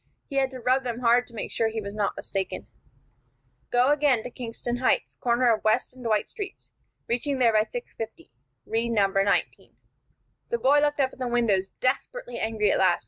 He had to rub them hard to make sure that he was not mistaken: "Go again to Kingston Heights, corner West and Dwight Streets, reaching there by 6:50. Read No. 19." The boy looked up at the windows, desperately angry at last.